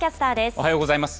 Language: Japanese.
おはようございます。